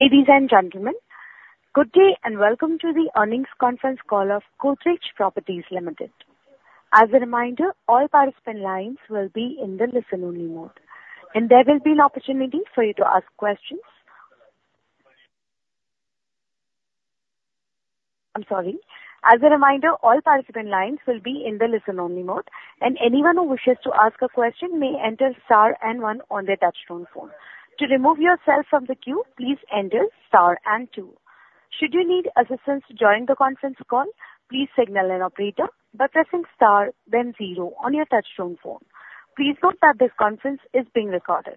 Ladies and gentlemen, good day, and welcome to the earnings conference call of Godrej Properties Limited. As a reminder, all participant lines will be in the listen-only mode, and there will be an opportunity for you to ask questions. I'm sorry. As a reminder, all participant lines will be in the listen-only mode, and anyone who wishes to ask a question may enter star and one on their touchtone phone. To remove yourself from the queue, please enter star and two. Should you need assistance to join the conference call, please signal an operator by pressing star, then zero on your touchtone phone. Please note that this conference is being recorded.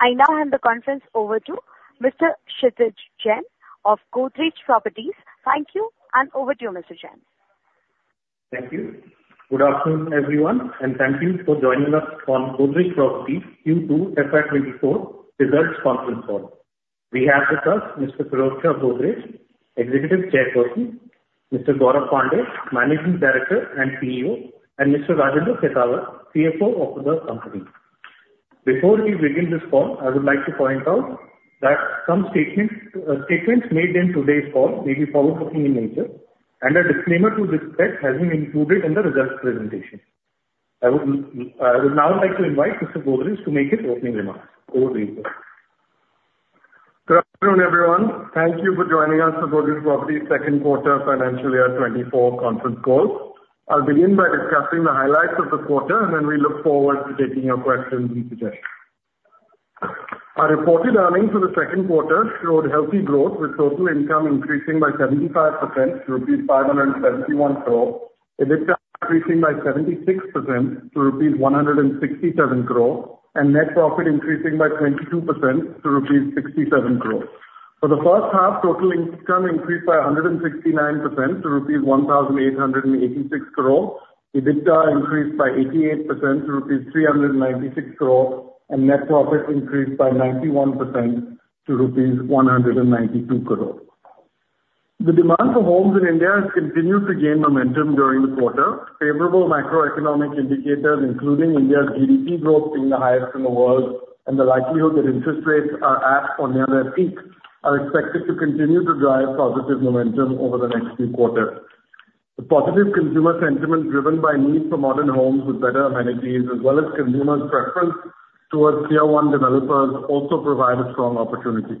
I now hand the conference over to Mr. Kshitij Jain of Godrej Properties. Thank you, and over to you, Mr. Jain. Thank you. Good afternoon, everyone, and thank you for joining us on Godrej Properties Q2 FY 2024 results conference call. We have with us Mr. Pirojsha Godrej, Executive Chairperson; Mr. Gaurav Pandey, Managing Director and CEO; and Mr. Rajendra Khetawat, CFO of the company. Before we begin this call, I would like to point out that some statements, statements made in today's call may be forward-looking in nature, and a disclaimer to this effect has been included in the results presentation. I would now like to invite Mr. Godrej to make his opening remarks. Over to you, sir. Good afternoon, everyone. Thank you for joining us for Godrej Properties' second quarter financial year 2024 conference call. I'll begin by discussing the highlights of the quarter, and then we look forward to taking your questions and suggestions. Our reported earnings for the second quarter showed healthy growth, with total income increasing by 75% to rupees 571 crore, EBITDA increasing by 76% to rupees 167 crore, and net profit increasing by 22% to rupees 67 crore. For the first half, total income increased by 169% to rupees 1,886 crore, EBITDA increased by 88% to rupees 396 crore, and net profit increased by 91% to rupees 192 crore. The demand for homes in India has continued to gain momentum during the quarter. Favorable macroeconomic indicators, including India's GDP growth being the highest in the world, and the likelihood that interest rates are at or near their peak, are expected to continue to drive positive momentum over the next few quarters. The positive consumer sentiment driven by need for modern homes with better amenities as well as consumers' preference towards Tier 1 developers, also provide a strong opportunity.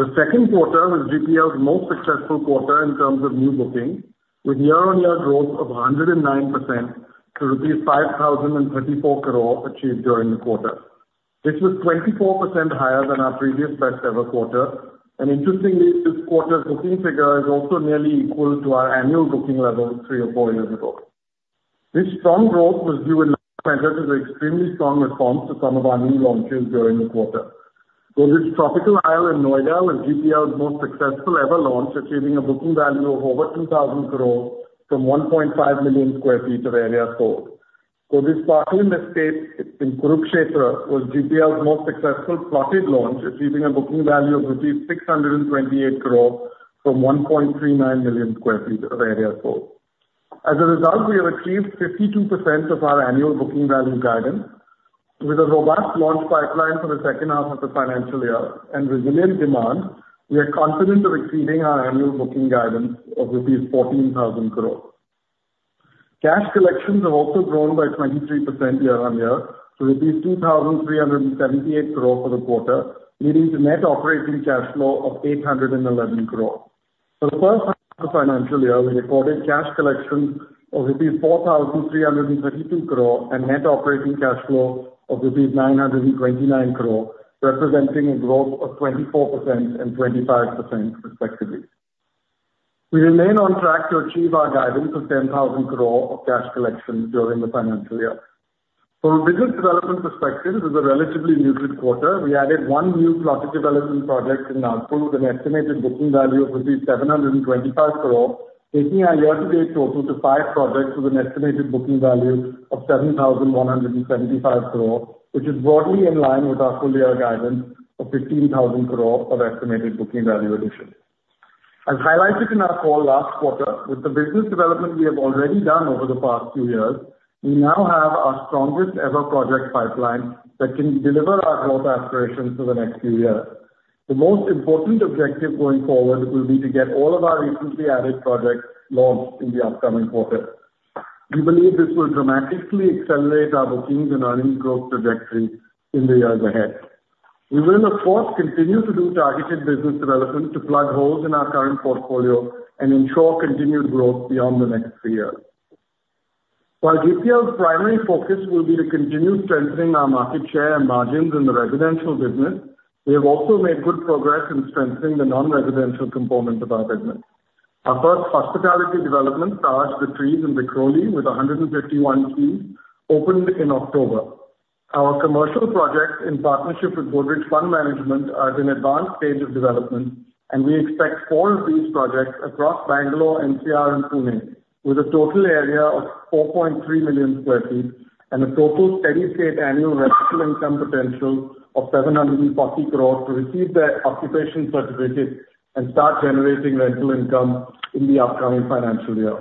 The second quarter was GPL's most successful quarter in terms of new bookings, with year-on-year growth of 109% to rupees 5,034 crore achieved during the quarter. This was 24% higher than our previous best ever quarter, and interestingly, this quarter's booking figure is also nearly equal to our annual booking level three or four years ago. This strong growth was due in no small measure to the extremely strong response to some of our new launches during the quarter. Godrej's Tropical Isle in Noida was GPL's most successful ever launch, achieving a booking value of over 2,000 crore from 1.5 million sq ft of area sold. Godrej's Parkland Estate in Kurukshetra was GPL's most successful plotted launch, achieving a booking value of rupees 628 crore from 1.39 million sq ft of area sold. As a result, we have achieved 52% of our annual booking value guidance. With a robust launch pipeline for the second half of the financial year and resilient demand, we are confident of exceeding our annual booking guidance of rupees 14,000 crore. Cash collections have also grown by 23% year-on-year to 2,378 crore for the quarter, leading to net operating cash flow of 811 crore. For the first half of the financial year, we recorded cash collections of rupees 4,332 crore and net operating cash flow of rupees 929 crore, representing a growth of 24% and 25% respectively. We remain on track to achieve our guidance of 10,000 crore of cash collections during the financial year. From a business development perspective, it was a relatively muted quarter. We added 1 new plotted development project in Nagpur with an estimated booking value of rupees 725 crore, taking our year-to-date total to 5 projects with an estimated booking value of 7,175 crore, which is broadly in line with our full year guidance of 15,000 crore of estimated booking value addition. As highlighted in our call last quarter, with the business development we have already done over the past few years, we now have our strongest-ever project pipeline that can deliver our growth aspirations for the next few years. The most important objective going forward will be to get all of our recently added projects launched in the upcoming quarter. We believe this will dramatically accelerate our bookings and earnings growth trajectory in the years ahead. We will, of course, continue to do targeted business development to plug holes in our current portfolio and ensure continued growth beyond the next three years. While GPL's primary focus will be to continue strengthening our market share and margins in the residential business, we have also made good progress in strengthening the non-residential component of our business. Our first hospitality development, Taj The Trees in Vikhroli, with 151 keys, opened in October. Our commercial projects in partnership with Godrej Fund Management are at an advanced stage of development, and we expect four of these projects across Bangalore, NCR, and Pune, with a total area of 4.3 million sq ft and a total steady-state annual rental income potential of 740 crore to receive their occupation certificate and start generating rental income in the upcoming financial year.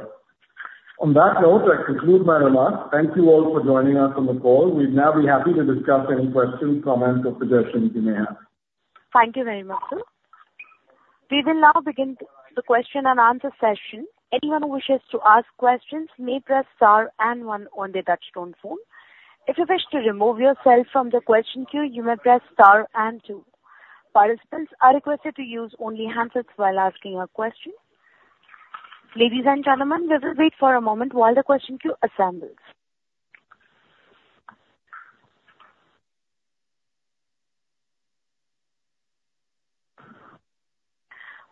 On that note, I conclude my remarks. Thank you all for joining us on the call. We'd now be happy to discuss any questions, comments, or suggestions you may have. Thank you very much, sir. We will now begin the question and answer session. Anyone who wishes to ask questions may press star and one on their touchtone phone. If you wish to remove yourself from the question queue, you may press star and two. Participants are requested to use only handsets while asking a question. Ladies and gentlemen, we will wait for a moment while the question queue assembles.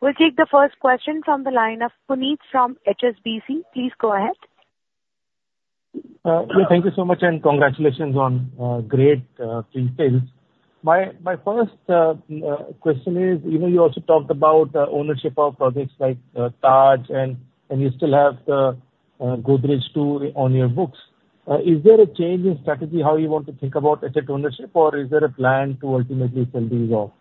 We'll take the first question from the line of Puneet from HSBC. Please go ahead. Thank you so much, and congratulations on great results. My first question is: you know, you also talked about the ownership of projects like Taj and you still have the Godrej Two on your books. Is there a change in strategy, how you want to think about asset ownership, or is there a plan to ultimately sell these off?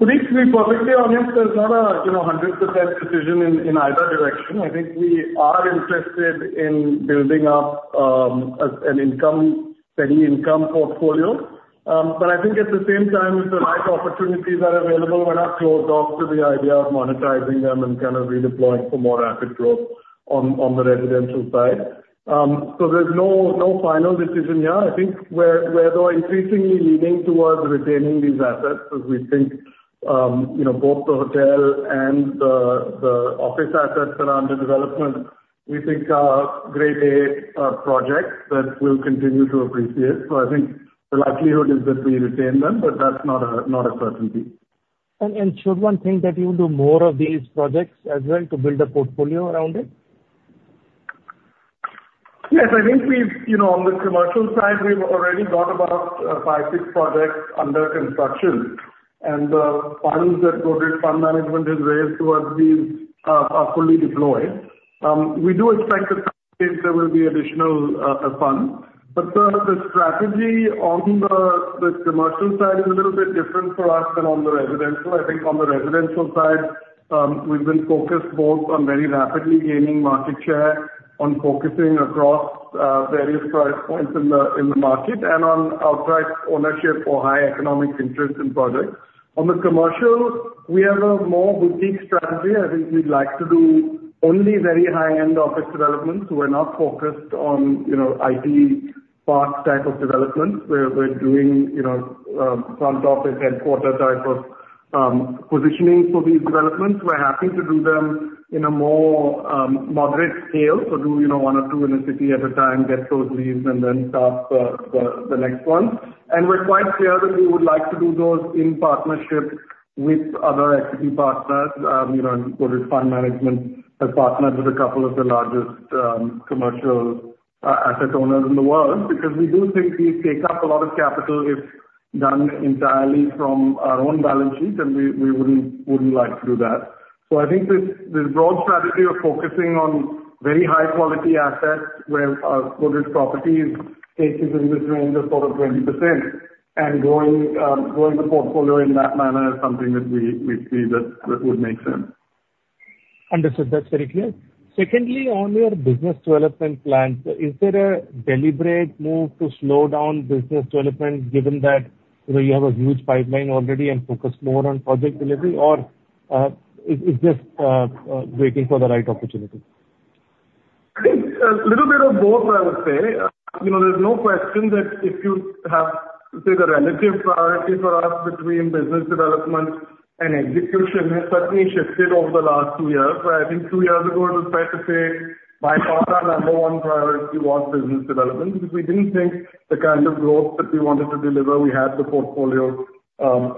Puneet, to be perfectly honest, there's not a you know 100% decision in either direction. I think we are interested in building up a steady income portfolio. But I think at the same time, if the right opportunities are available, we're not closed off to the idea of monetizing them and kind of redeploying for more rapid growth on the residential side. So there's no final decision here. I think we're though increasingly leaning towards retaining these assets, as we think you know both the hotel and the office assets that are under development, we think are Grade A projects that will continue to appreciate. So I think the likelihood is that we retain them, but that's not a certainty. And should one think that you'll do more of these projects as well to build a portfolio around it? Yes. I think we've, you know, on the commercial side, we've already got about 5, 6 projects under construction, and funds that Godrej Fund Management has raised towards these are fully deployed. We do expect that there will be additional funds. But the strategy on the commercial side is a little bit different for us than on the residential. I think on the residential side, we've been focused both on very rapidly gaining market share, on focusing across various price points in the market, and on outright ownership or high economic interest in projects. On the commercial, we have a more boutique strategy. I think we'd like to do only very high-end office developments. We're not focused on, you know, IT parks type of developments. We're doing, you know, front office, headquarter type of positioning for these developments. We're happy to do them in a more moderate scale. So, you know, do one or two in a city at a time, get those leased and then start the next one. And we're quite clear that we would like to do those in partnership with other equity partners. You know, Godrej Fund Management has partnered with a couple of the largest commercial asset owners in the world, because we do think these take up a lot of capital if done entirely from our own balance sheet, and we wouldn't like to do that. So I think this, this broad strategy of focusing on very high quality assets where Godrej Properties takes is in the range of sort of 20%, and growing, growing the portfolio in that manner is something that we, we see that, that would make sense. Understood. That's very clear. Secondly, on your business development plans, is there a deliberate move to slow down business development, given that, you know, you have a huge pipeline already and focus more on project delivery, or, is this waiting for the right opportunity? I think a little bit of both, I would say. You know, there's no question that if you have, say, the relative priority for us between business development and execution, has certainly shifted over the last two years. Where I think two years ago, it was fair to say, by far our number one priority was business development, because we didn't think the kind of growth that we wanted to deliver, we had the portfolio,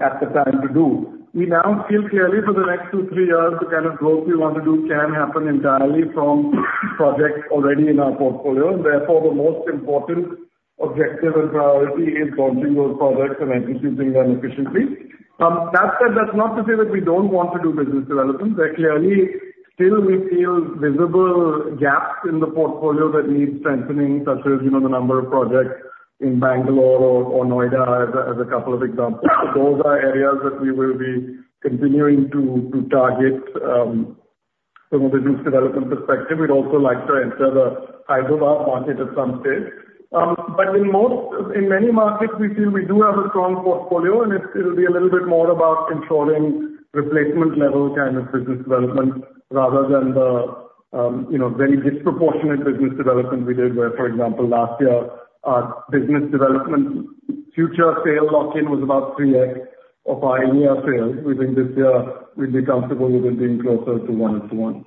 at the time to do. We now feel clearly for the next two, three years, the kind of growth we want to do can happen entirely from projects already in our portfolio. Therefore, the most important objective and priority is launching those projects and executing them efficiently. That said, that's not to say that we don't want to do business development. There clearly still we feel visible gaps in the portfolio that need strengthening, such as, you know, the number of projects in Bangalore or Noida, as a couple of examples. Those are areas that we will be continuing to target from a business development perspective. We'd also like to enter the Hyderabad market at some stage. But in most, in many markets, we feel we do have a strong portfolio, and it'll be a little bit more about controlling replacement level kind of business development rather than the, you know, very disproportionate business development we did, where, for example, last year, our business development future sale lock-in was about 3x of our India sales. We think this year we'd be comfortable with it being closer to 1-to-1.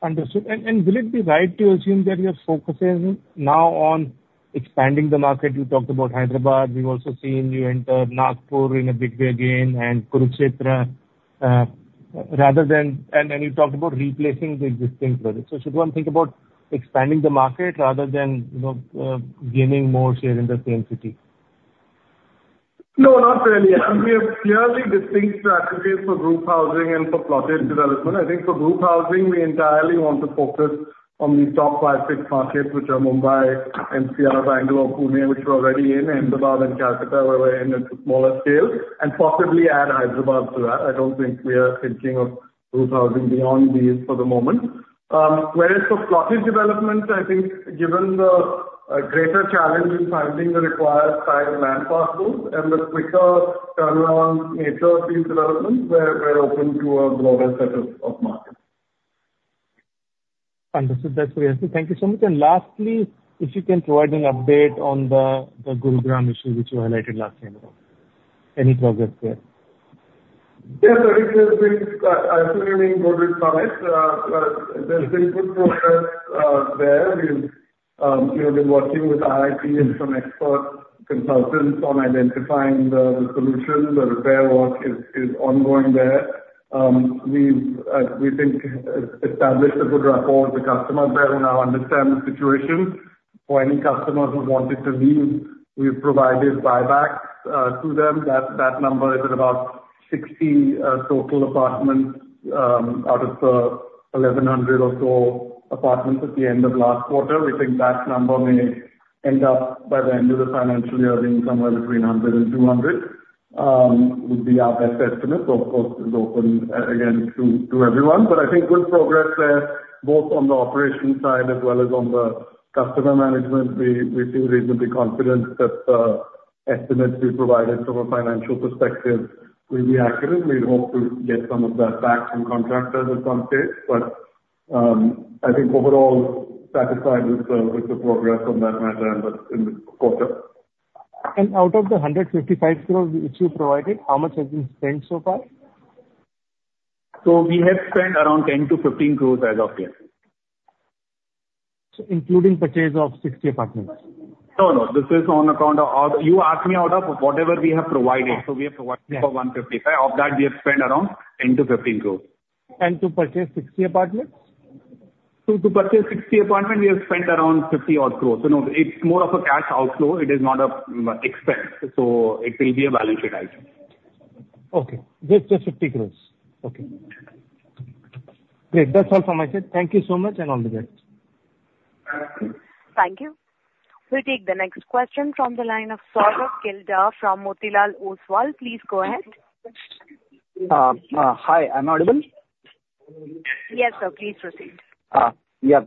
Understood. Will it be right to assume that you're focusing now on expanding the market? You talked about Hyderabad. We've also seen you enter Nagpur in a big way again and Kurukshetra, rather than... You talked about replacing the existing projects. So should one think about expanding the market rather than, you know, gaining more share in the same city? ...No, not really. We have clearly distinct strategies for group housing and for plotted development. I think for group housing, we entirely want to focus on the top five, six markets, which are Mumbai, NCR, Bangalore, Pune, which we're already in, Ahmedabad and Calcutta, where we're in at a smaller scale, and possibly add Hyderabad to that. I don't think we are thinking of group housing beyond these for the moment. Whereas for plotted developments, I think given the greater challenge in finding the required sized land parcels and the quicker turnaround nature of these developments, we're open to a broader set of markets. Understood. That's clear. Thank you so much. Lastly, if you can provide an update on the Gurugram issue, which you highlighted last year? Any progress there? Yes, I think there's been, I assume you mean Godrej Summit. There's been good progress there. We've, we have been working with IIT Delhi and some expert consultants on identifying the solutions. The repair work is ongoing there. We've, we think, established a good rapport with the customers there, who now understand the situation. For any customer who wanted to leave, we've provided buybacks to them. That number is at about 60 total apartments out of the 1,100 or so apartments at the end of last quarter. We think that number may end up by the end of the financial year, being somewhere between 100 and 200, would be our best estimate. So of course, it's open again to everyone. But I think good progress there, both on the operations side as well as on the customer management. We feel reasonably confident that the estimates we provided from a financial perspective will be accurate. We hope to get some of that back from contractors at some stage, but I think overall satisfied with the progress on that matter in this quarter. Out of the 155 crore which you provided, how much has been spent so far? We have spent around 10 crore-15 crore as of yet. So including purchase of 60 apartments? No, no. This is on account of all the... You asked me about all of whatever we have provided, so we have provided for 155 crore. Of that, we have spent around 10 crore-15 crore. To purchase 60 apartments? To purchase 60 apartments, we have spent around 50 crore. So no, it's more of a cash outflow, it is not a expense, so it will be a balance sheet item. Okay. Just, just 50 crore? Okay. Great. That's all from my side. Thank you so much, and all the best. Thank you. We'll take the next question from the line of Saurabh Kumar from J.P. Morgan. Please go ahead. Hi, am I audible? Yes, sir. Please proceed. Yeah,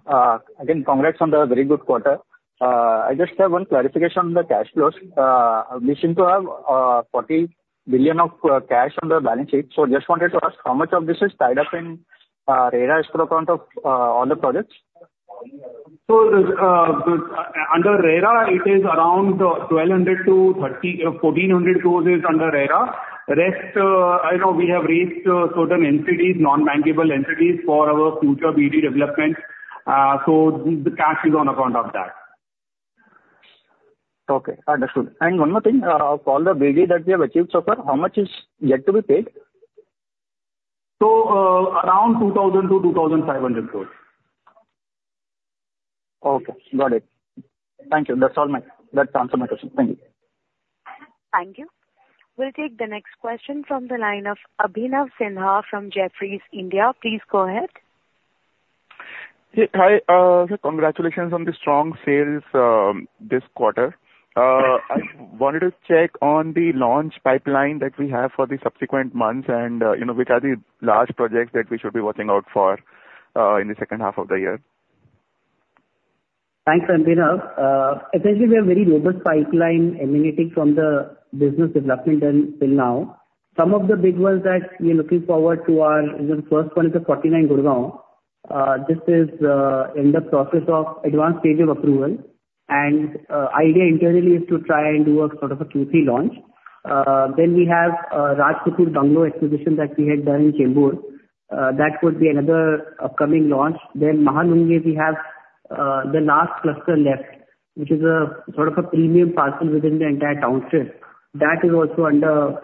again, congrats on the very good quarter. I just have one clarification on the cash flows. You seem to have 40 billion of cash on the balance sheet. So just wanted to ask, how much of this is tied up in RERA as per account of all the projects? Under RERA it is around 1,200 crore-1,400 crore is under RERA. Rest, I know we have raised certain entities, non-bankable entities, for our future BD developments. The cash is on account of that. Okay, understood. And one more thing, for all the BD that we have achieved so far, how much is yet to be paid? Around INR 2,000-INR 2,500 crore. Okay, got it. Thank you. That's all my... That answers my question. Thank you. Thank you. We'll take the next question from the line of Abhinav Sinha from Jefferies India. Please go ahead. Hey, hi. So congratulations on the strong sales this quarter. I wanted to check on the launch pipeline that we have for the subsequent months, and you know, which are the large projects that we should be watching out for in the second half of the year? Thanks, Abhinav. Essentially, we have a very robust pipeline emanating from the business development done till now. Some of the big ones that we are looking forward to are, the first one is the Forty-Nine, Gurgaon. This is in the process of advanced stage of approval, and idea internally is to try and do a sort of a Q3 launch. Then we have Godrej RKS that we had done in Chembur. That would be another upcoming launch. Then Mahalunge, we have the last cluster left, which is a sort of a premium parcel within the entire township. That is also under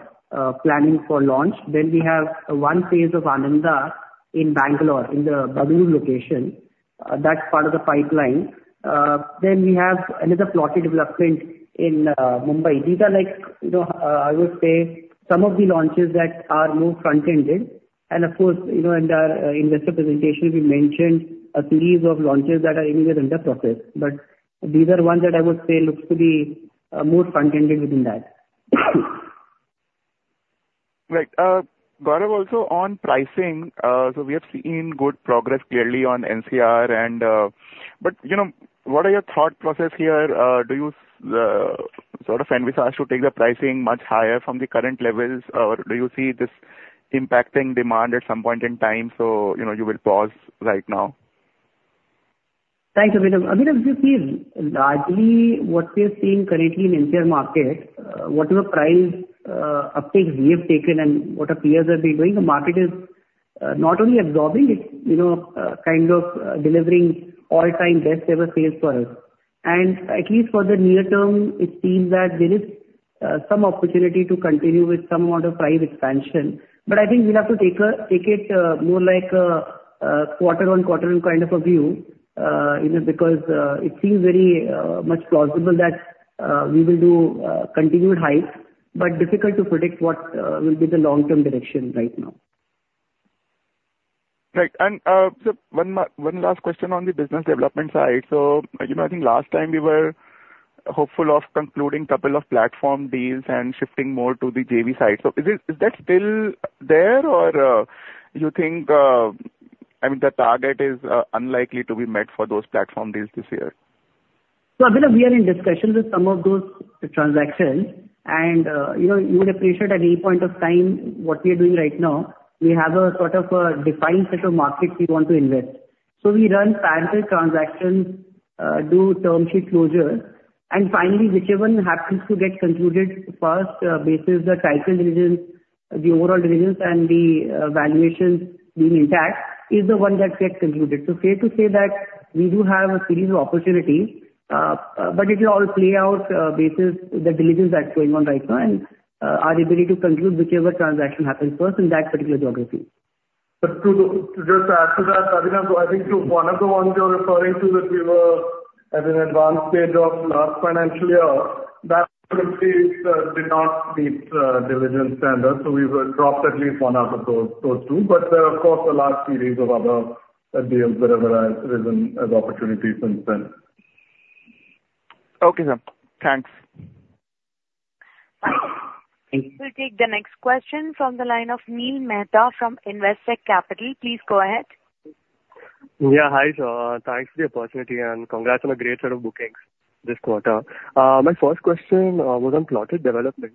planning for launch. Then we have one phase of Ananda in Bangalore, in the Bangalore location. That's part of the pipeline. Then we have another plotted development in Mumbai. These are like, you know, I would say, some of the launches that are more front-ended. And of course, you know, in our investor presentation, we mentioned a series of launches that are anywhere in the process, but these are ones that I would say looks to be more front-ended within that. Right. Gaurav, also on pricing, so we have seen good progress clearly on NCR and... But, you know, what are your thought process here? Do you sort of envisage to take the pricing much higher from the current levels, or do you see this impacting demand at some point in time, so, you know, you will pause right now? Thanks, Abhinav. Abhinav, you see, largely what we are seeing currently in NCR market, whatever price uptakes we have taken and what our peers have been doing, the market is not only absorbing it, you know, kind of, delivering all-time best ever sales for us. At least for the near term, it seems that there is some opportunity to continue with some amount of price expansion. But I think we'll have to take it more like a quarter on quarter kind of a view, you know, because it seems very much plausible that we will do continued highs, but difficult to predict what will be the long-term direction right now. Right, and so one last question on the business development side. So, you know, I think last time we were hopeful of concluding couple of platform deals and shifting more to the JV side. So is it, is that still there or you think, I mean, the target is unlikely to be met for those platform deals this year? So Abhinav, we are in discussions with some of those transactions, and, you know, you would appreciate at any point of time, what we are doing right now, we have a sort of a defined set of markets we want to invest. So we run parallel transactions, do term sheet closure, and finally, whichever happens to get concluded first, basis the title diligence, the overall diligence and the, valuations being intact, is the one that gets concluded. So fair to say that we do have a series of opportunities, but it'll all play out, basis the diligence that's going on right now, and, our ability to conclude whichever transaction happens first in that particular geography. But to, to just add to that, Abhinav, I think to one of the ones you're referring to that we were at an advanced stage of last financial year, that did not meet diligence standards, so we were dropped at least one out of those, those two. But there are, of course, a large series of other deals that have arisen as opportunities since then. Okay, sir. Thanks. We'll take the next question from the line of Neel Mehta from Investec Capital. Please go ahead. Yeah, hi, sir, thanks for the opportunity, and congrats on a great set of bookings this quarter. My first question was on plotted development.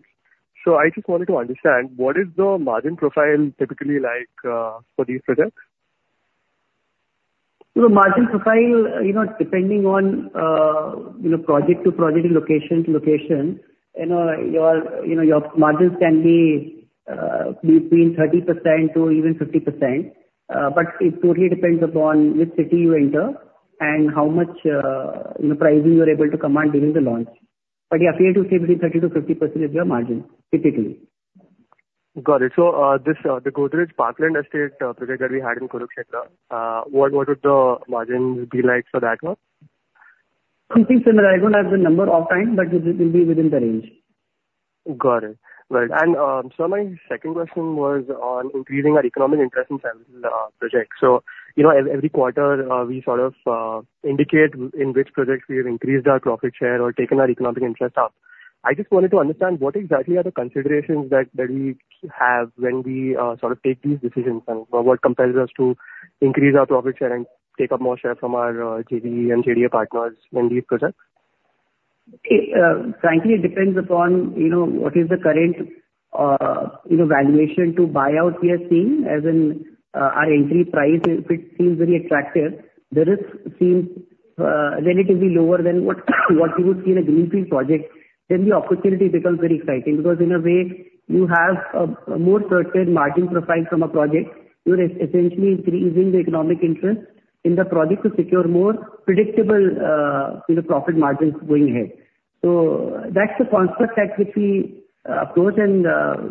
So I just wanted to understand, what is the margin profile typically like, for these products? The margin profile, you know, depending on, you know, you know, your, you know, your margins can be, between 30% to even 50%. But it totally depends upon which city you enter and how much, you know, pricing you're able to command during the launch. But yeah, fair to say between 30%-50% is your margin, typically. Got it. So, this, the Godrej Parkland Estate, project that we had in Kurukshetra, what, what would the margins be like for that one? Something similar. I don't have the number offhand, but it will be within the range. Got it. Right. And so my second question was on increasing our economic interest in some projects. So, you know, every quarter, we sort of indicate in which projects we have increased our profit share or taken our economic interest up. I just wanted to understand, what exactly are the considerations that we have when we sort of take these decisions, and what compels us to increase our profit share and take up more share from our JV and JDA partners in these projects? It, frankly, it depends upon, you know, what is the current, you know, valuation to buy out we are seeing, as in, our entry price. If it seems very attractive, the risk seems, relatively lower than what you would see in a greenfield project, then the opportunity becomes very exciting. Because in a way, you have a more certain margin profile from a project. You're essentially increasing the economic interest in the project to secure more predictable, you know, profit margins going ahead. So that's the construct that which we approach. And,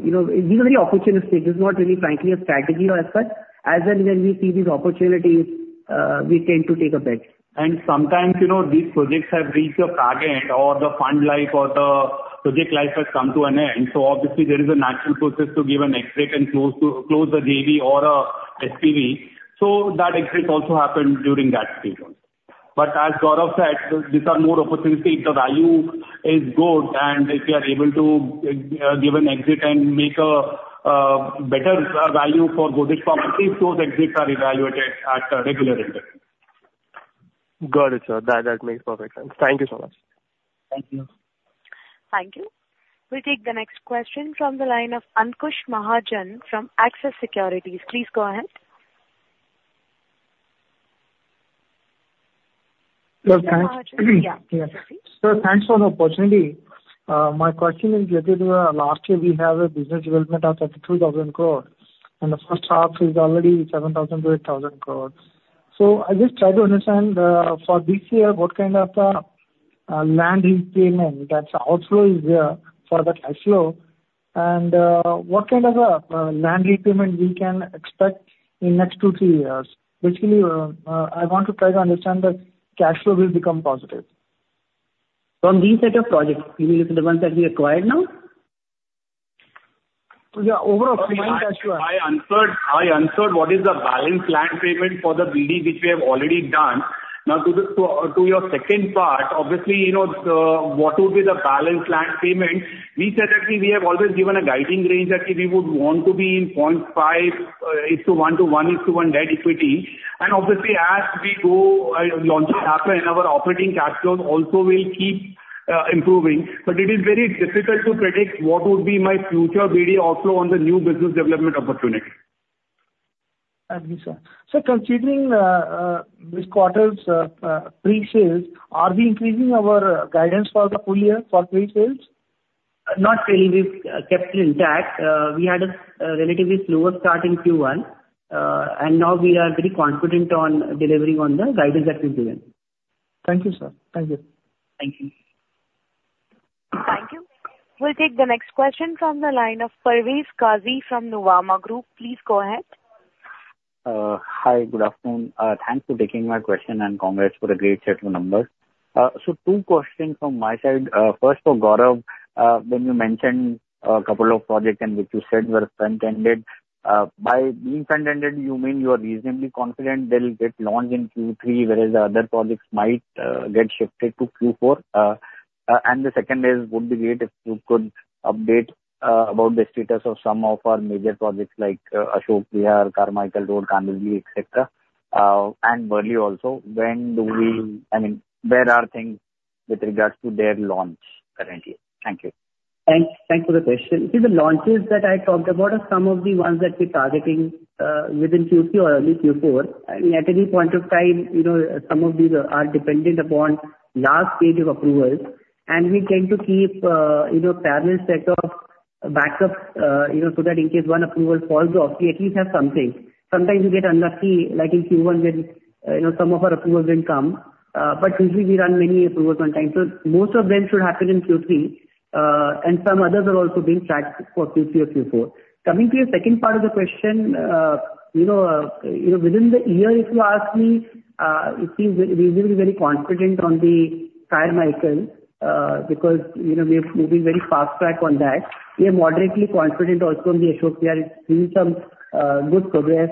you know, it's been a very opportunistic. There's not really, frankly, a strategy as such. As and when we see these opportunities, we tend to take a bet. Sometimes, you know, these projects have reached a target or the fund life or the project life has come to an end, so obviously there is a natural process to give an exit and close, to close the JV or a SPV. That exit also happened during that period. But as Gaurav said, these are more opportunities. If the value is good, and if we are able to give an exit and make a better value for Godrej Properties, those exits are evaluated at a regular interval. Got it, sir. That, that makes perfect sense. Thank you so much. Thank you. Thank you. We'll take the next question from the line of Ankush Mahajan from Axis Securities. Please go ahead. Yes, thanks. Yeah. Sir, thanks for the opportunity. My question is related to last year we have a business development of 32,000 crore, and the first half is already 7,000-8,000 crore. So I just try to understand, for this year, what kind of land payments that's outflow is there for the cash flow? And, what kind of land repayment we can expect in next two, three years? Basically, I want to try to understand the cash flow will become positive. From these set of projects, you mean from the ones that we acquired now? Yeah, overall- I answered, I answered what is the balance land payment for the BD which we have already done. Now, to your second part, obviously, you know, what would be the balance land payment, we said that we have always given a guiding range, that we would want to be in 0.5:1 to 1:1 debt equity. And obviously as we go launch after and our operating cash flows also will keep improving, but it is very difficult to predict what would be my future BD outflow on the new business development opportunity. Agreed, sir. So considering this quarter's pre-sales, are we increasing our guidance for the full year for pre-sales? Not really. We've kept it intact. We had a relatively slower start in Q1, and now we are very confident on delivering on the guidance that we've given. Thank you, sir. Thank you. Thank you. Thank you. We'll take the next question from the line of Parvez Qazi from Nuvama Group. Please go ahead. Hi, good afternoon. Thanks for taking my question, and congrats for the great set of numbers. So two questions from my side. First for Gaurav, when you mentioned a couple of projects and which you said were front-ended, by being front-ended, you mean you are reasonably confident they'll get launched in Q3, whereas the other projects might get shifted to Q4? And the second is, would be great if you could update about the status of some of our major projects, like Ashok Vihar, Carmichael Road, Kandivali, et cetera, and Worli also. When do we—I mean, where are things with regards to their launch currently? Thank you. Thanks, thank you for the question. See, the launches that I talked about are some of the ones that we're targeting, within Q3 or early Q4. I mean, at any point of time, you know, some of these are dependent upon last stage of approvals, and we tend to keep, you know, parallel set of backups, you know, so that in case one approval falls off, we at least have something. Sometimes you get unlucky, like in Q1, when, you know, some of our approvals didn't come, but usually we run many approvals on time. So most of them should happen in Q3, and some others are also being tracked for Q3 or Q4. Coming to your second part of the question, you know, you know, within the year, if you ask me, it seems we, we will be very confident on the Carmichael, because, you know, we have moving very fast track on that. We are moderately confident also on the Ashok Vihar. It's been some good progress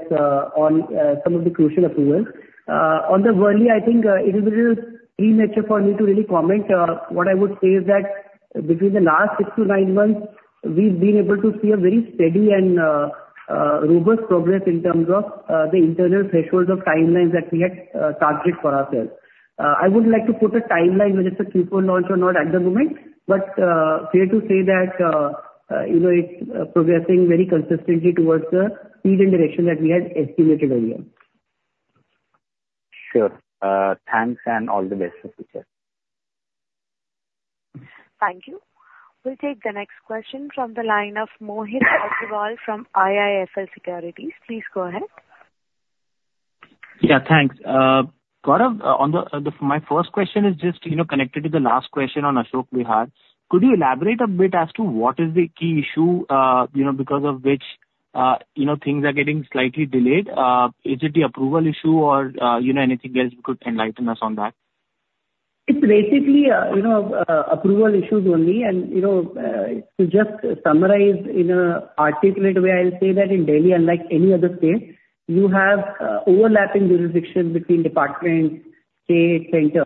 on some of the crucial approvals. On the Worli, I think it is a little premature for me to really comment. What I would say is that between the last 6-9 months, we've been able to see a very steady and robust progress in terms of the internal thresholds of timelines that we had targeted for ourselves. I would like to put a timeline, whether it's a Q4 launch or not at the moment, but fair to say that, you know, it's progressing very consistently towards the speed and direction that we had estimated earlier. Sure. Thanks and all the best for future. Thank you. We'll take the next question from the line of Mohit Agrawal from IIFL Securities. Please go ahead. Yeah, thanks. Gaurav, on the, My first question is just, you know, connected to the last question on Ashok Vihar. Could you elaborate a bit as to what is the key issue, you know, because of which, you know, things are getting slightly delayed? Is it the approval issue or, you know, anything else you could enlighten us on that? It's basically, you know, approval issues only, and, you know, to just summarize in a articulate way, I'll say that in Delhi, unlike any other state, you have overlapping jurisdictions between departments, state, center.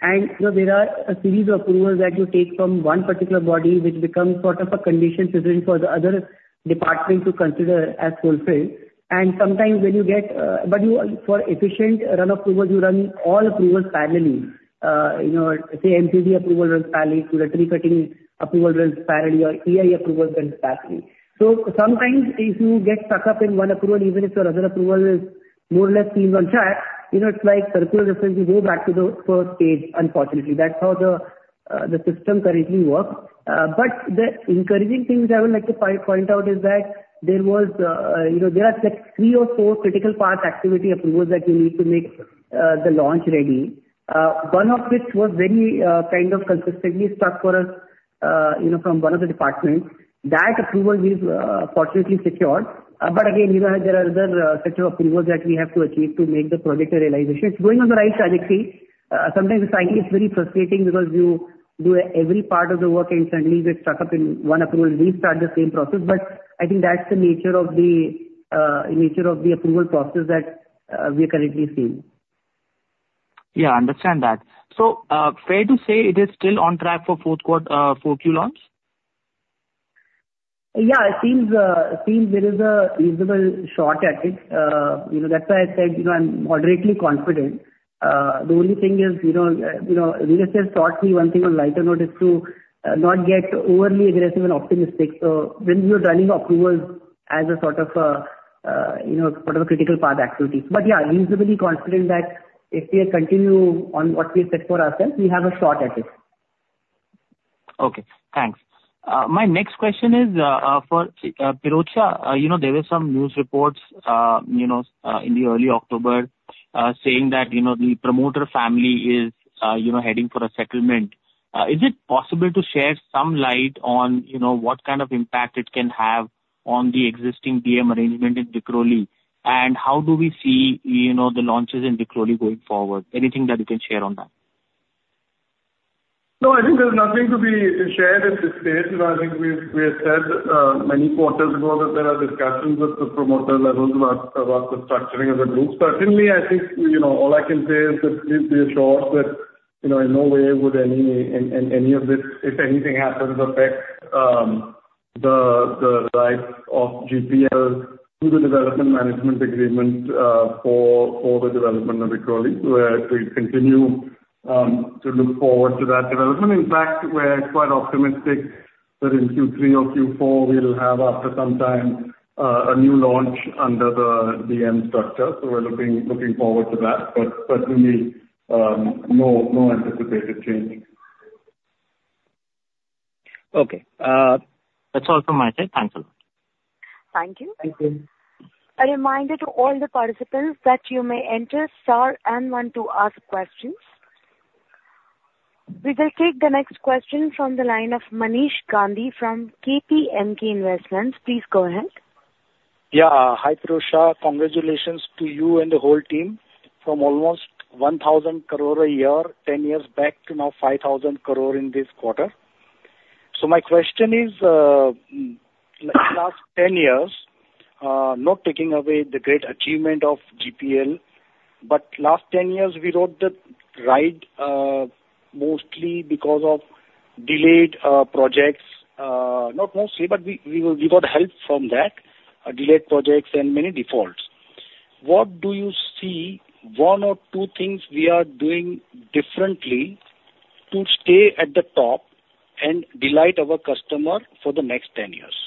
And, you know, there are a series of approvals that you take from one particular body, which becomes sort of a condition precedent for the other department to consider as fulfilled. And sometimes when you get, but you, for efficient run approvals, you run all approvals parallely. You know, say MCDapproval runs parallely, tree cutting approval runs parallely, or EC approval runs parallely. So sometimes if you get stuck up in one approval, even if your other approval is more or less seems on track, you know, it's like circular reference, you go back to the first page, unfortunately. That's how the system currently works. But the encouraging things I would like to point out is that there was, you know, there are like three or four critical path activity approvals that you need to make the launch ready. One of which was very kind of consistently stuck for us, you know, from one of the departments. That approval we've fortunately secured. But again, you know, there are other set of approvals that we have to achieve to make the project a realization. It's going on the right trajectory. Sometimes it's likely very frustrating because you do every part of the work and suddenly get stuck up in one approval, restart the same process, but I think that's the nature of the nature of the approval process that we are currently seeing. Yeah, understand that. So, fair to say it is still on track for fourth quarter, Q4 launch? Yeah, it seems, it seems there is a reasonable shot at it. You know, that's why I said, you know, I'm moderately confident. The only thing is, you know, you know, we just have taught me one thing on lighter note is to, not get overly aggressive and optimistic. So when we are running approvals as a sort of a, sort of a critical path activity. But yeah, reasonably confident that if we continue on what we've set for ourselves, we have a shot at it. Okay, thanks. My next question is, for Pirojsha. You know, there were some news reports, you know, in the early October, saying that, you know, the promoter family is, you know, heading for a settlement. Is it possible to share some light on, you know, what kind of impact it can have on the existing DM arrangement in Vikhroli? And how do we see, you know, the launches in Vikhroli going forward? Anything that you can share on that? No, I think there's nothing to be shared at this stage. You know, I think we have said many quarters ago that there are discussions with the promoter levels about the structuring of the group. Certainly, I think, you know, all I can say is that we are sure that, you know, in no way would any of this, if anything happens, affect the rights of GPL through the development management agreement for the development of Vikhroli, where we continue to look forward to that development. In fact, we're quite optimistic that in Q3 or Q4 we'll have, after some time, a new launch under the DM structure. So we're looking forward to that, but certainly no anticipated change. Okay. That's all from my side. Thanks a lot. Thank you. Thank you. A reminder to all the participants that you may enter star and one to ask questions. We will take the next question from the line of Manish Gandhi from Solidarity Investment Managers. Please go ahead.... Yeah. Hi, Pirojsha, congratulations to you and the whole team from almost 1,000 crore a year, 10 years back, to now 5,000 crore in this quarter. So my question is, last 10 years, not taking away the great achievement of GPL, but last 10 years we rode the ride, mostly because of delayed projects. Not mostly, but we, we, we got help from that, delayed projects and many defaults. What do you see one or two things we are doing differently to stay at the top and delight our customer for the next 10 years?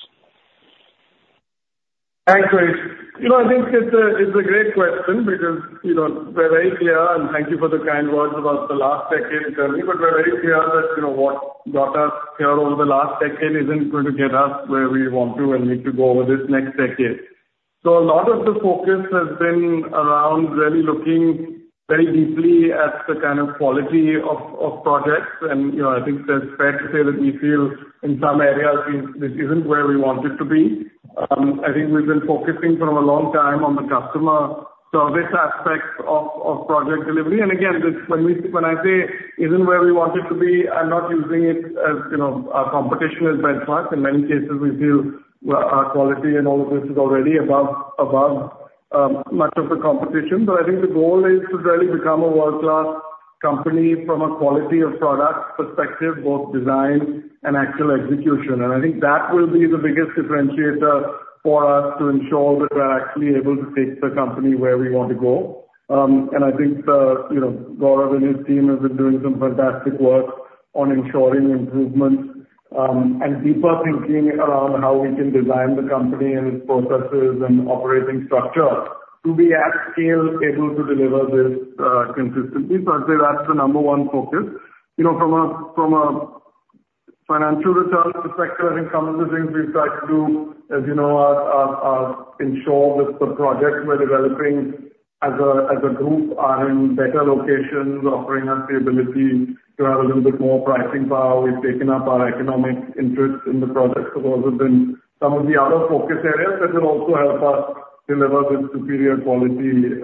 Thanks, Manish. You know, I think it's a great question because, you know, we're very clear, and thank you for the kind words about the last decade journey, but we're very clear that, you know, what got us here over the last decade isn't going to get us where we want to and need to go over this next decade. So a lot of the focus has been around really looking very deeply at the kind of quality of projects. And, you know, I think it's fair to say that we feel in some areas this isn't where we want it to be. I think we've been focusing for a long time on the customer service aspect of project delivery. Again, this, when we, when I say isn't where we want it to be, I'm not using it as, you know, our competition as benchmark. In many cases, we feel our quality and all of this is already above much of the competition. But I think the goal is to really become a world-class company from a quality of product perspective, both design and actual execution. I think that will be the biggest differentiator for us to ensure that we're actually able to take the company where we want to go. I think, you know, Gaurav and his team have been doing some fantastic work on ensuring improvements, and deeper thinking around how we can design the company and its processes and operating structure to be at scale, able to deliver this consistently. So I'd say that's the number one focus. You know, from a financial return perspective, I think some of the things we've tried to do, as you know, are ensure that the projects we're developing as a group are in better locations, offering us the ability to have a little bit more pricing power. We've taken up our economic interest in the projects have also been some of the other focus areas that will also help us deliver this superior quality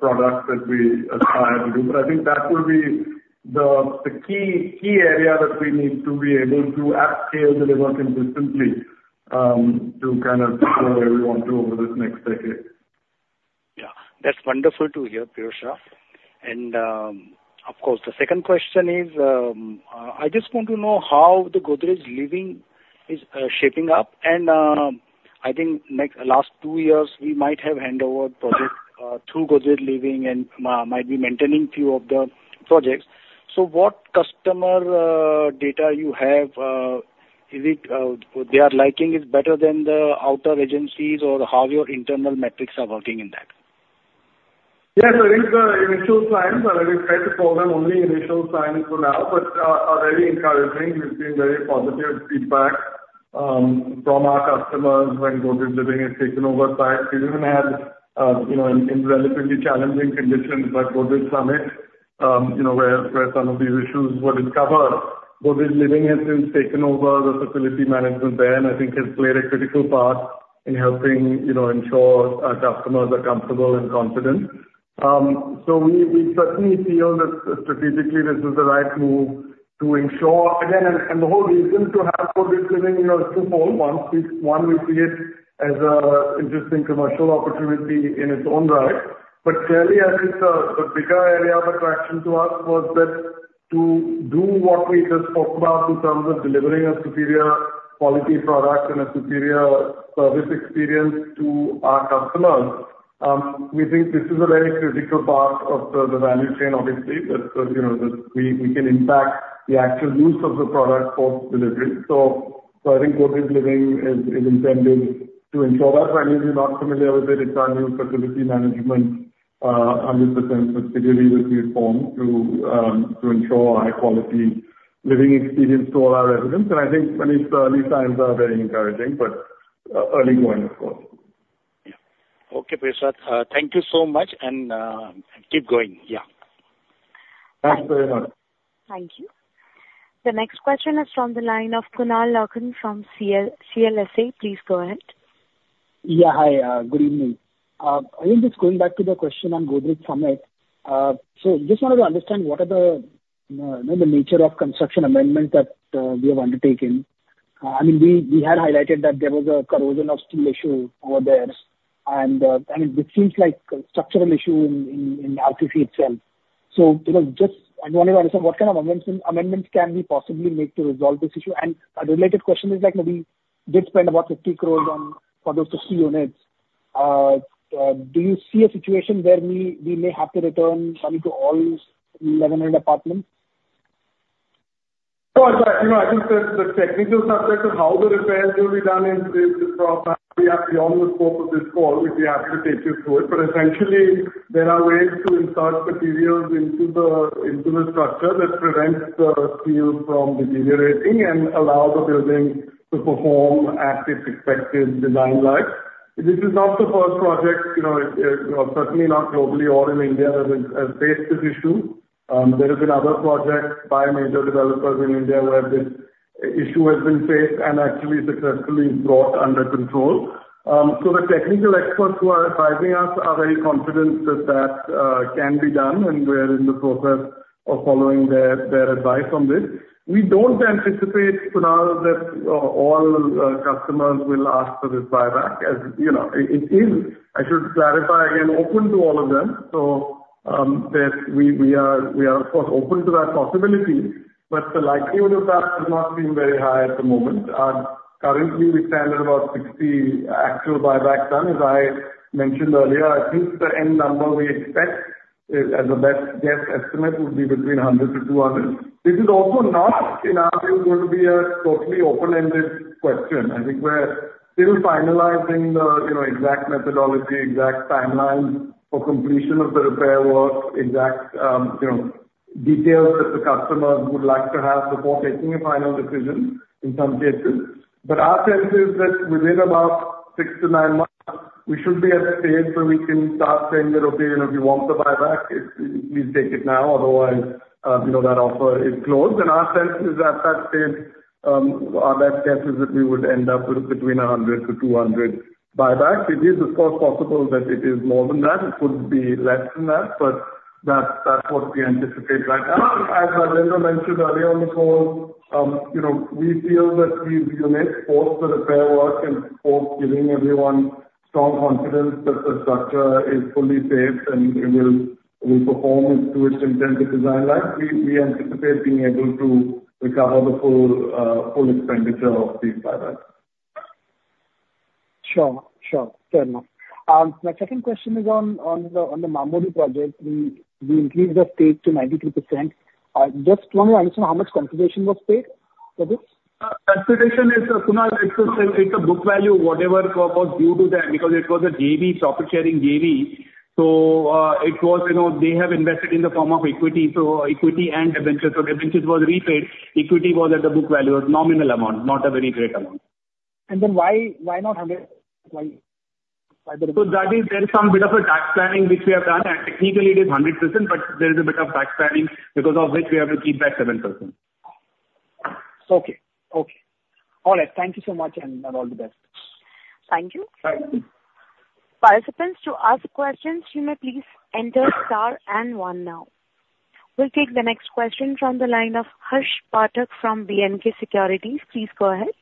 product that we aspire to do. But I think that will be the key area that we need to be able to at scale deliver consistently to kind of where we want to over this next decade. Yeah. That's wonderful to hear, Pirojsha. And, of course, the second question is, I just want to know how the Godrej Living is shaping up. And, I think next- last two years, we might have handover projects through Godrej Living and might be maintaining few of the projects. So what customer data you have, is it, their liking is better than the outer agencies or how your internal metrics are working in that? Yes, I think the initial signs are, I would try to call them only initial signs for now, but are very encouraging. We've seen very positive feedback from our customers when Godrej Living has taken over sites. We even had, you know, in, in relatively challenging conditions, like Godrej Summit, you know, where, where some of these issues were discovered. Godrej Living has since taken over the facility management there, and I think has played a critical part in helping, you know, ensure our customers are comfortable and confident. So we, we certainly feel that strategically this is the right move to ensure... Again, and, and the whole reason to have Godrej Living, you know, is twofold. One, we, one, we see it as an interesting commercial opportunity in its own right. But clearly, I think the bigger area of attraction to us was that to do what we just talked about in terms of delivering a superior quality product and a superior service experience to our customers. We think this is a very critical part of the value chain, obviously, that you know that we can impact the actual use of the product post-delivery. So I think Godrej Living is intended to ensure that. For any of you not familiar with it, it's our new facility management 100% subsidiary, which we formed to ensure high-quality living experience to all our residents. And I think its early signs are very encouraging, but early going, of course. Yeah. Okay, Pirojsha, thank you so much, and keep going. Yeah. Thanks very much. Thank you. The next question is from the line of Kunal Lakhan from CLSA. Please go ahead. Yeah, hi, good evening. I am just going back to the question on Godrej Summit. So just wanted to understand what are the, you know, the nature of construction amendment that we have undertaken? I mean, we had highlighted that there was a corrosion of steel issue over there, and I mean, it seems like a structural issue in RCC itself. So, you know, just I wanted to understand what kind of amendments, amendments can we possibly make to resolve this issue? And a related question is like, maybe we did spend about 50 crore on for those 50 units. Do you see a situation where we may have to return money to all these 1,100 apartments? ... So, but you know, I think that the technical subject of how the repairs will be done is beyond the scope of this call, if we have to take you through it. But essentially, there are ways to insert materials into the structure that prevents the steel from deteriorating and allow the building to perform at its expected design life. This is not the first project, you know, certainly not globally or in India, that has faced this issue. There have been other projects by major developers in India where this issue has been faced and actually successfully brought under control. So the technical experts who are advising us are very confident that that can be done, and we're in the process of following their advice on this. We don't anticipate, Kunal, that all customers will ask for this buyback, as you know, it is, I should clarify again, open to all of them. So, we are of course open to that possibility, but the likelihood of that does not seem very high at the moment. Currently we stand at about 60 actual buybacks done, as I mentioned earlier. I think the end number we expect is, as a best guess estimate, would be between 100-200. This is also not, in our view, going to be a totally open-ended question. I think we're still finalizing the, you know, exact methodology, exact timelines for completion of the repair work, exact, you know, details that the customers would like to have before making a final decision in some cases. But our sense is that within about six to nine months, we should be at a stage where we can start saying that, "Okay, you know, if you want the buyback, it, please take it now. Otherwise, you know, that offer is closed." And our sense is that, that stage, our best guess is that we would end up with between 100 to 200 buybacks. It is, of course, possible that it is more than that. It could be less than that, but that's, that's what we anticipate right now. As Rajendra mentioned earlier on the call, you know, we feel that we've done it post the repair work and post giving everyone strong confidence that the structure is fully safe, and it will perform to its intended design life. We anticipate being able to recover the full expenditure of these buybacks. Sure. Sure. Fair enough. My second question is on the Mamurdi project. We increased the stake to 93%. Just want to understand how much consideration was paid for this? Consideration is, Kunal, it's a book value, whatever was due to them, because it was a JV, profit sharing JV. So, it was, you know, they have invested in the form of equity, so equity and debentures. So debentures was repaid, equity was at the book value, a nominal amount, not a very great amount. Then why, why not 100? Why, why the- That is, there is some bit of a tax planning which we have done, and technically it is 100%, but there is a bit of tax planning because of which we have to keep that 7%. Okay. Okay. All right. Thank you so much, and all the best. Thank you. Bye. Participants, to ask questions you may please enter star and one now. We'll take the next question from the line of Harsh Pathak from B&K Securities. Please go ahead.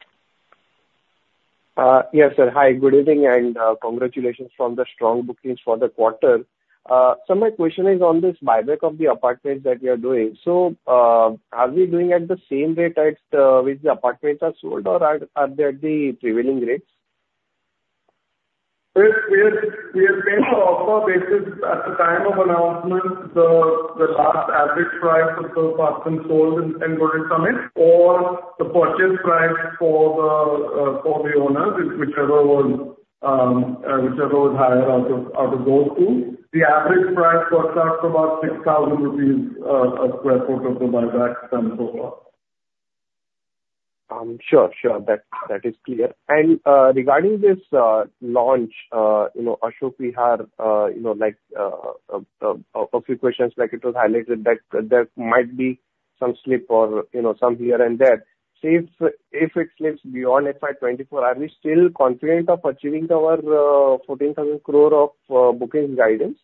Yes, sir. Hi, good evening, and congratulations on the strong bookings for the quarter. So my question is on this buyback of the apartments that you are doing. So, are we doing at the same rate as the, which the apartments are sold, or at, are they at the prevailing rates? We are paying on offer basis at the time of announcement, the last average price of the apartments sold in Godrej Summit or the purchase price for the owners, is whichever was higher out of those two. The average price works out to about 6,000 rupees per sq ft of the buyback done so far. Sure, sure. That, that is clear. And, regarding this launch, you know, Ashok, we had, you know, like, a few questions, like it was highlighted, that there might be some slip or, you know, some here and there. So if it slips beyond FY 2024, are we still confident of achieving our 14,000 crore of bookings guidance?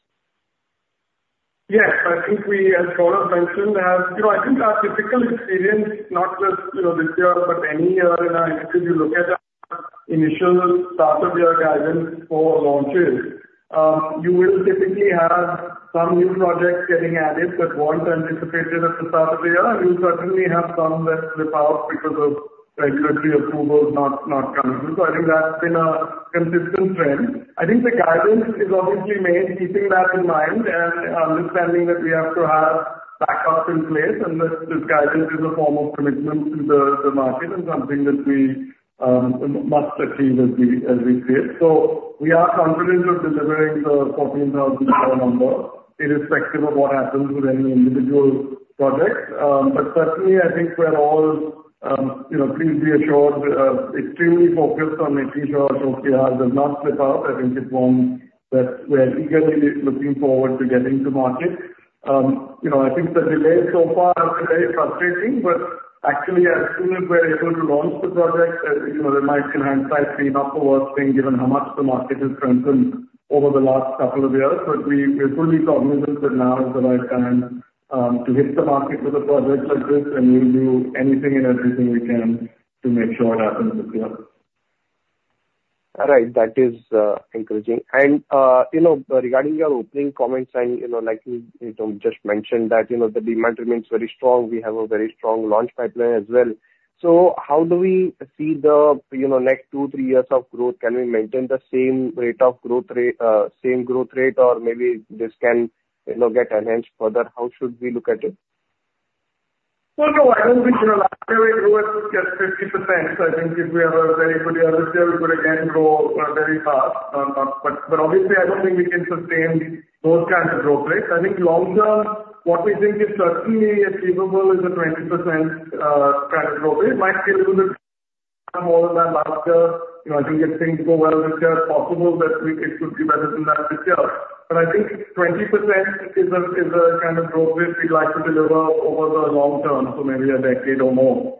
Yes. I think we, as Saurabh mentioned, you know, I think our typical experience, not just, you know, this year, but any year in our industry, you look at our initial start of year guidance for launches, you will typically have some new projects getting added, but once anticipated at the start of the year, you certainly have some that slip out because of regulatory approvals not coming through. So I think that's been a consistent trend. I think the guidance is obviously made keeping that in mind and understanding that we have to have backups in place and that this guidance is a form of commitment to the market and something that we must achieve as we create. So we are confident of delivering the 14,000 crore number, irrespective of what happens with any individual project. But certainly I think we're all, you know, please be assured, extremely focused on making sure Ashok Vihar does not slip out. I think it forms, that we're eagerly looking forward to getting to market. You know, I think the delay so far is very frustrating, but actually, as soon as we're able to launch the project, you know, there might, in hindsight, be an upper worth being given how much the market has strengthened over the last couple of years. But we, we're fully cognizant that now is the right time, to hit the market with a project like this, and we'll do anything and everything we can to make sure it happens this year. All right. That is encouraging. And you know, regarding your opening comments, and you know, like you you know just mentioned that you know, the demand remains very strong. We have a very strong launch pipeline as well. So how do we see the you know, next two, three years of growth? Can we maintain the same rate of growth rate, same growth rate, or maybe this can you know, get enhanced further? How should we look at it?... Well, no, I don't think, you know, last year we grew at just 50%, so I think if we have a very good year this year, we could again grow very fast. But obviously I don't think we can sustain those kinds of growth rates. I think long term, what we think is certainly achievable is a 20% kind of growth rate. It might be a little bit more than that last year. You know, I think if things go well this year, it's possible that we- it could be better than last year. But I think 20% is a, is a kind of growth rate we'd like to deliver over the long term, so maybe a decade or more.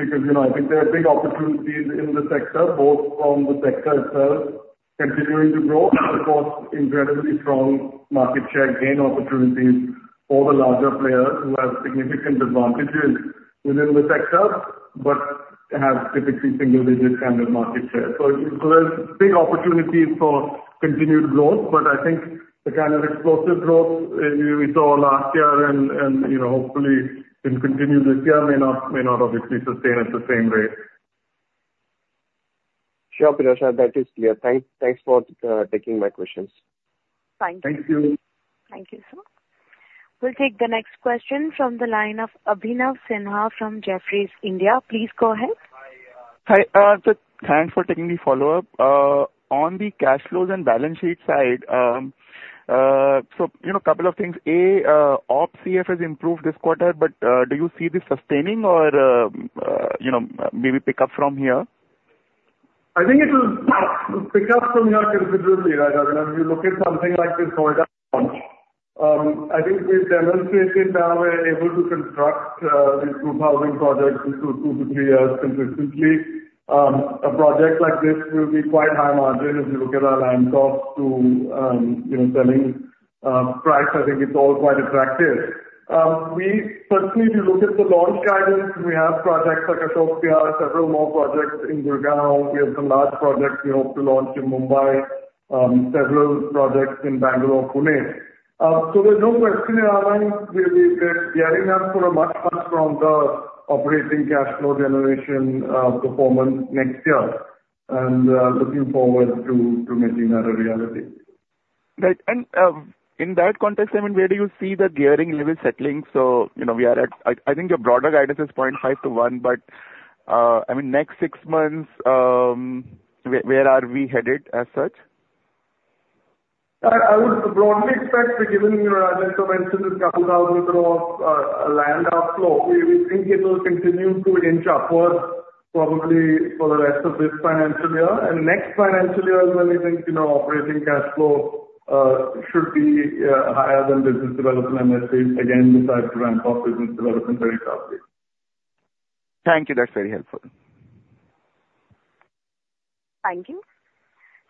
Because, you know, I think there are big opportunities in the sector, both from the sector itself continuing to grow, and of course, incredibly strong market share gain opportunities for the larger players who have significant advantages within the sector, but have typically single digit kind of market share. So, there's big opportunities for continued growth, but I think the kind of explosive growth we saw last year and you know, hopefully it continue this year, may not obviously sustain at the same rate. Sure, Pirojsha, that is clear. Thanks for taking my questions. Thank you. Thank you. Thank you, sir. We'll take the next question from the line of Abhinav Sinha from Jefferies India. Please go ahead. Hi, so thanks for taking the follow-up. On the cash flows and balance sheet side, so, you know, couple of things. A, Op CF has improved this quarter, but, do you see this sustaining or, you know, maybe pick up from here? I think it'll pick up from here considerably, Abhinav. If you look at something like, I think we've demonstrated now we're able to construct these group housing projects in two to three years consistently. A project like this will be quite high margin if you look at our land cost to, you know, selling price, I think it's all quite attractive. We certainly, if you look at the launch guidance, we have projects like Ashoka, several more projects in Gurgaon. We have some large projects we hope to launch in Mumbai, several projects in Bangalore and Pune. So there's no question in our minds, we'll be gearing up for a much, much stronger operating cash flow generation performance next year, and looking forward to making that a reality. Right. In that context, I mean, where do you see the gearing level settling? So, you know, we are at... I think your broader guidance is 0.5-1, but I mean, next six months, where are we headed as such? I, I would broadly expect, given, you know, as I mentioned, this 2,000 crore of land outflow, we, we think it will continue to inch upwards, probably for the rest of this financial year. And next financial year, when we think, you know, operating cash flow should be higher than business development initiatives, again, besides ramp of business development very strongly. Thank you. That's very helpful. Thank you.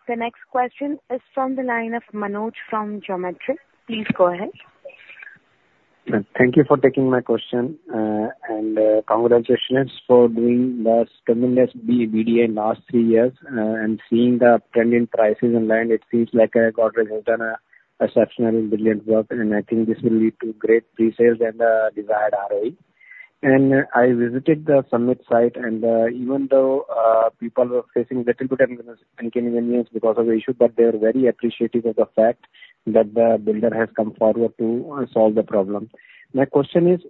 The next question is from the line of Manoj from Geometric. Please go ahead. Thank you for taking my question. Congratulations for doing the tremendous BD in last three years, and seeing the trending prices in land, it seems like Godrej has done a exceptional and brilliant job, and I think this will lead to great pre-sales and desired ROI. I visited the Summit site, and even though people were facing little bit inconvenience because of the issue, but they are very appreciative of the fact that the builder has come forward to solve the problem. My question is,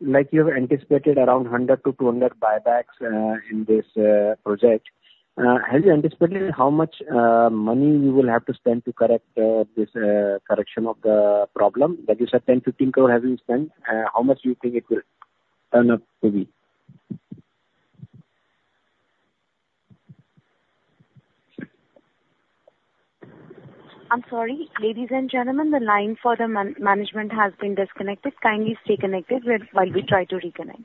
like you have anticipated around 100-200 buybacks in this project, have you anticipated how much money you will have to spend to correct this correction of the problem? That is at 10-15 crore have you spent, how much do you think it will turn out to be? I'm sorry, ladies and gentlemen, the line for the management has been disconnected. Kindly stay connected while we try to reconnect.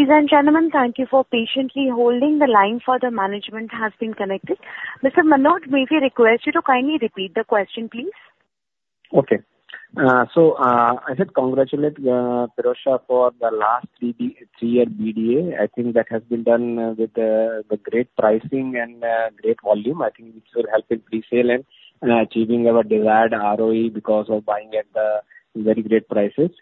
Ladies and gentlemen, thank you for patiently holding. The line for the management has been connected. Mr. Manoj, may we request you to kindly repeat the question, please? Okay. I said congratulate Pirojsha for the last three-year BD. I think that has been done with great pricing and great volume. I think this will help in pre-sale and achieving our desired ROI because of buying at very great prices.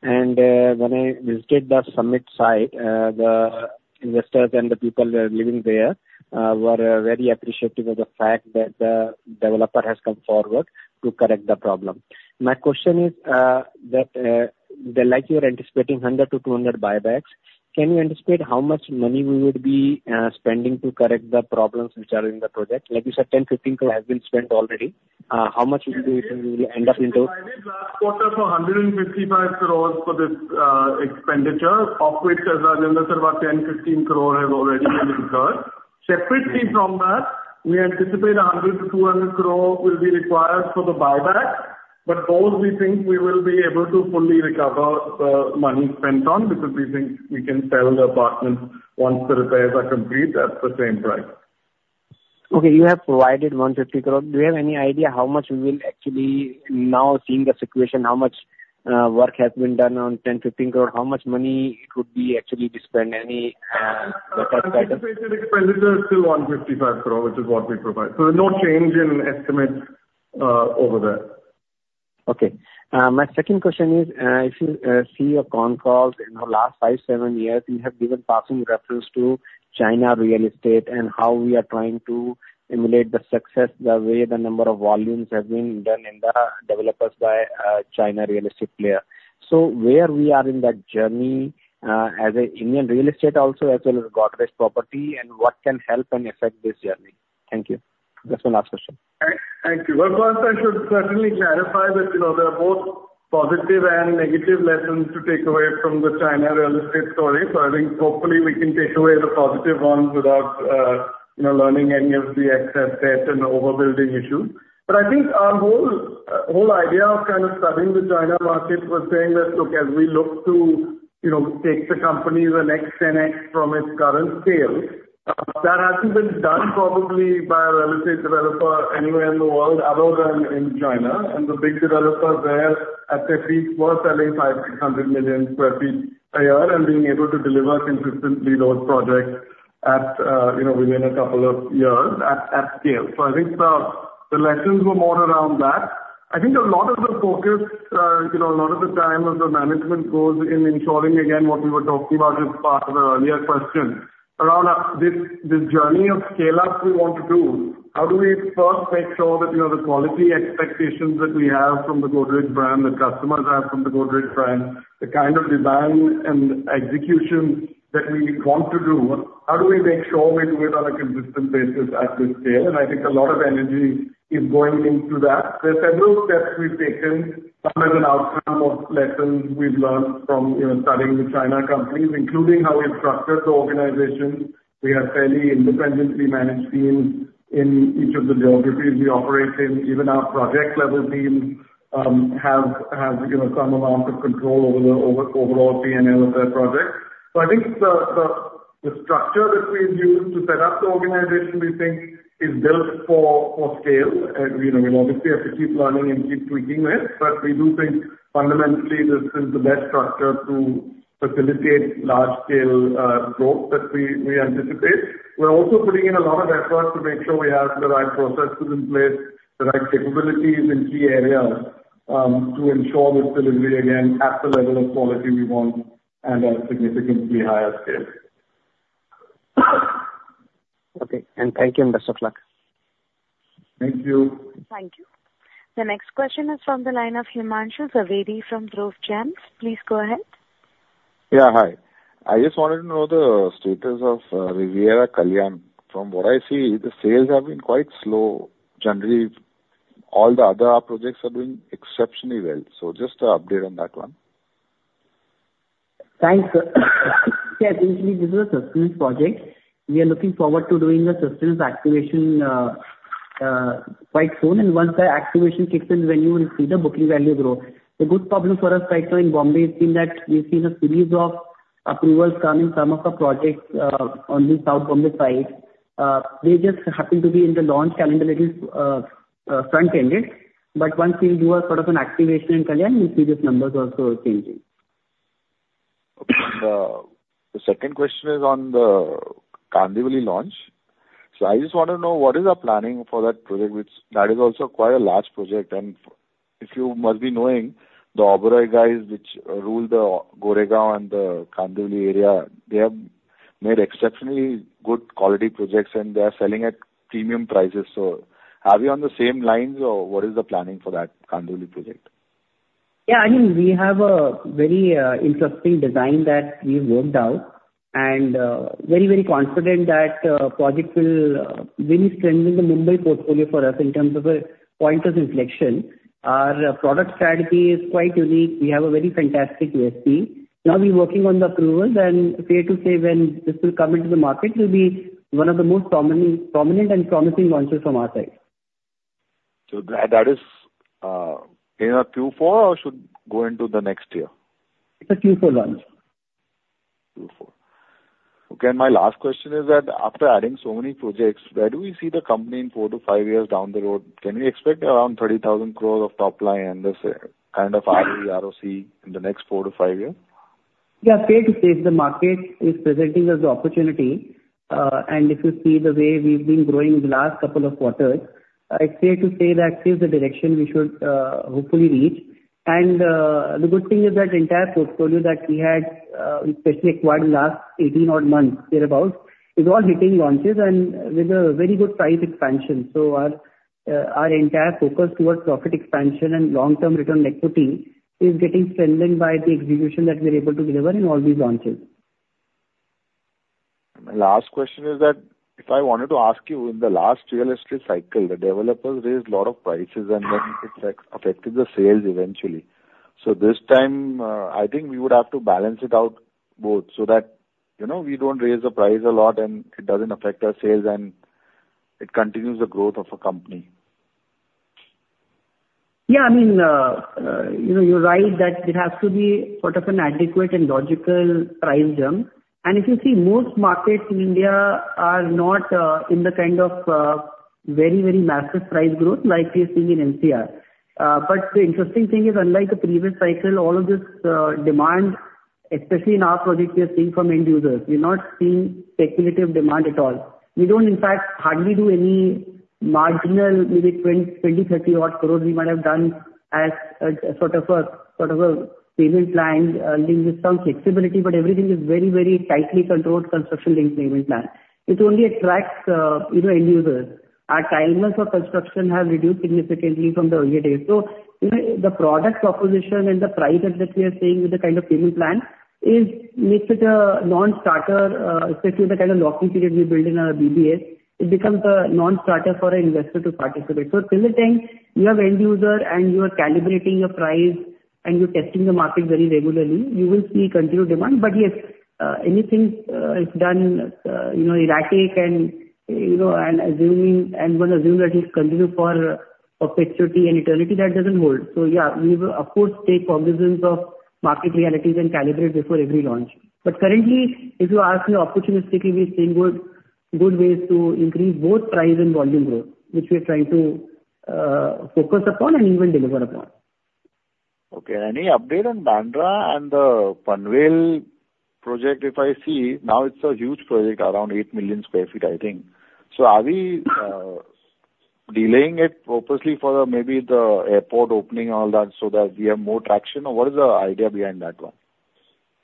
When I visited the Summit site, the investors and the people who are living there were very appreciative of the fact that the developer has come forward to correct the problem. My question is, like you are anticipating 100-200 buybacks, can you anticipate how much money we would be spending to correct the problems which are in the project? Like you said, 10-15 crore has been spent already. How much do you think we will end up in total? I did last quarter for 155 crore for this expenditure, of which, as Rajendra said, about 10-15 crore has already been incurred. Separately from that, we anticipate 100-200 crore will be required for the buyback, but both we think we will be able to fully recover the money spent on, because we think we can sell the apartments once the repairs are complete at the same price.... Okay, you have provided 150 crore. Do you have any idea how much we will actually, now seeing the situation, how much work has been done on 10 crore-15 crore? How much money it would be actually to spend any, The estimated expenditures are still 155 crore, which is what we provided. So no change in estimate over there. Okay. My second question is, if you see your con calls in the last five, seven years, you have given passing reference to China real estate and how we are trying to emulate the success, the way the number of volumes have been done in the developers by China real estate player. So where we are in that journey, as an Indian real estate, also as well as Godrej Properties, and what can help and affect this journey? Thank you. That's my last question. Thank you. Well, first, I should certainly clarify that, you know, there are both positive and negative lessons to take away from the China real estate story. So I think hopefully we can take away the positive ones without, you know, learning any of the excess debt and overbuilding issues. But I think our whole, whole idea of kind of studying the China market was saying that, look, as we look to, you know, take the company the next 10x from its current scale, that hasn't been done probably by a real estate developer anywhere in the world other than in China. And the big developers there, at their peak, were selling 500-600 million sq ft a year and being able to deliver consistently those projects at, you know, within a couple of years at scale. So I think the, the lessons were more around that. I think a lot of the focus, you know, a lot of the time of the management goes in ensuring, again, what we were talking about as part of the earlier question, around this, this journey of scale-up we want to do, how do we first make sure that, you know, the quality expectations that we have from the Godrej brand, the customers have from the Godrej brand, the kind of design and execution that we want to do, how do we make sure we do it on a consistent basis at this scale? And I think a lot of energy is going into that. There are several steps we've taken as an outcome of lessons we've learned from, you know, studying the Chinese companies, including how we've structured the organization. We have fairly independently managed teams in each of the geographies we operate in. Even our project-level teams have you know some amount of control over overall PNL of their projects. So I think the structure that we've used to set up the organization we think is built for scale. And you know we obviously have to keep learning and keep tweaking it, but we do think fundamentally this is the best structure to facilitate large-scale growth that we anticipate. We're also putting in a lot of effort to make sure we have the right processes in place, the right capabilities in key areas to ensure this delivery, again, at the level of quality we want and at significantly higher scale. Okay. Thank you, and best of luck. Thank you. Thank you. The next question is from the line of Himanshu Zaveri from Dhruv Gems. Please go ahead. Yeah, hi. I just wanted to know the status of Riviera Kalyan. From what I see, the sales have been quite slow. Generally, all the other projects are doing exceptionally well. So just an update on that one. Thanks. Yeah, basically, this is a sustained project. We are looking forward to doing the sustenance activation quite soon, and once that activation kicks in, when you will see the booking value grow. The good problem for us right now in Mumbai is we've seen a series of approvals coming, some of the projects on the South Mumbai side. We just happen to be in the launch calendar little front-ended, but once we do a sort of an activation in Kalyan, you'll see these numbers also changing. The second question is on the Kandivali launch. So I just want to know, what is the planning for that project, which that is also quite a large project, and if you must be knowing, the Oberoi guys which rule the Goregaon, the Kandivali area, they have made exceptionally good quality projects and they are selling at premium prices. So are we on the same lines or what is the planning for that Kandivali project? Yeah, I mean, we have a very interesting design that we've worked out, and very, very confident that projects will really strengthen the Mumbai portfolio for us in terms of a point of inflection. Our product strategy is quite unique. We have a very fantastic USP. Now we're working on the approvals, and fair to say when this will come into the market, will be one of the most prominent and promising launches from our side. So that, that is, in our Q4, or should go into the next year? It's a Q4 launch. Q4. Okay, my last question is that after adding so many projects, where do we see the company in 4-5 years down the road? Can we expect around 30,000 crore of top line and this kind of ROE, ROC in the next 4-5 years? Yeah, fair to say, the market is presenting us the opportunity. And if you see the way we've been growing the last couple of quarters, it's fair to say that is the direction we should hopefully reach. And the good thing is that entire portfolio that we had, especially acquired in the last eighteen odd months, thereabout, is all hitting launches and with a very good price expansion. So our entire focus towards profit expansion and long-term return on equity is getting strengthened by the execution that we're able to deliver in all these launches. My last question is that if I wanted to ask you, in the last real estate cycle, the developers raised a lot of prices and then it affected the sales eventually. So this time, I think we would have to balance it out both, so that, you know, we don't raise the price a lot, and it doesn't affect our sales, and it continues the growth of the company.... Yeah, I mean, you know, you're right, that it has to be sort of an adequate and logical price jump. And if you see, most markets in India are not in the kind of very, very massive price growth like we are seeing in NCR. But the interesting thing is, unlike the previous cycle, all of this demand, especially in our project, we are seeing from end users. We are not seeing speculative demand at all. We don't, in fact, hardly do any marginal, maybe 20-30 crores we might have done as a sort of a payment plan with some flexibility, but everything is very, very tightly controlled construction-linked payment plan. It only attracts, you know, end users. Our timelines for construction have reduced significantly from the earlier days. So, you know, the product proposition and the prices that we are seeing with the kind of payment plan, it makes it a non-starter, especially the kind of lock-in period we build in our BDs. It becomes a non-starter for an investor to participate. So till the time you have end user and you are calibrating your price and you're testing the market very regularly, you will see continued demand. But yes, anything is done, you know, erratic and, you know, and assuming, I'm gonna assume that it continue for perpetuity and eternity, that doesn't hold. So yeah, we will of course take cognizance of market realities and calibrate before every launch. But currently, if you ask me opportunistically, we're seeing good, good ways to increase both price and volume growth, which we are trying to focus upon and even deliver upon. Okay. Any update on Bandra and the Panvel project? If I see, now it's a huge project, around 8 million sq ft, I think. So are we delaying it purposely for the maybe the airport opening, all that, so that we have more traction, or what is the idea behind that one?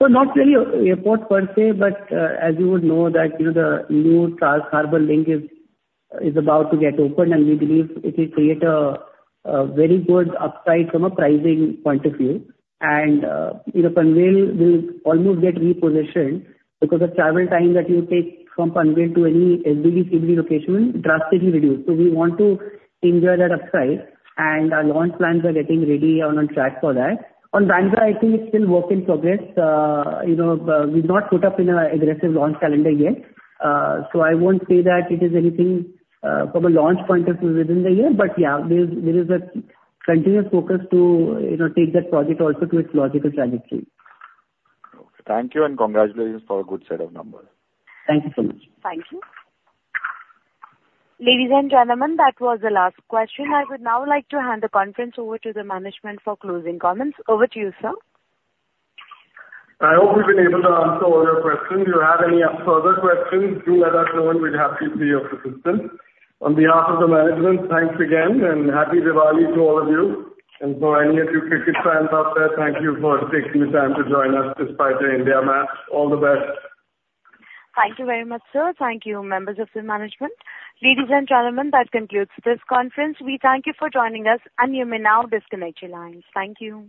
So not really airport per se, but as you would know, that you know, the new Trans Harbour Link is about to get opened, and we believe it will create a very good upside from a pricing point of view. And you know, Panvel will almost get repositioned because the travel time that you take from Panvel to any SBD, CBD location will drastically reduce. So we want to enjoy that upside, and our launch plans are getting ready and on track for that. On Bandra, I think it's still work in progress. You know, we've not put up in an aggressive launch calendar yet, so I won't say that it is anything from a launch point of view within the year. But yeah, there is a continuous focus to you know, take that project also to its logical trajectory. Okay. Thank you, and congratulations for a good set of numbers. Thank you so much. Thank you. Ladies and gentlemen, that was the last question. I would now like to hand the conference over to the management for closing comments. Over to you, sir. I hope we've been able to answer all your questions. If you have any further questions, do let us know and we'd be happy to be of assistance. On behalf of the management, thanks again, and Happy Diwali to all of you. And for any of you cricket fans out there, thank you for taking the time to join us despite the India match. All the best. Thank you very much, sir. Thank you, members of the management. Ladies and gentlemen, that concludes this conference. We thank you for joining us, and you may now disconnect your lines. Thank you.